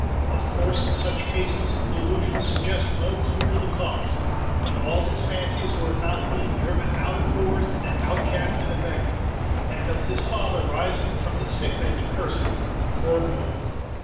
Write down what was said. Of course in such cases the delusions suggest no clew to the cause, but all his fancies were about being driven out of doors an outcast and a beggar, and of his father rising from his sick bed to curse him. Poor boy!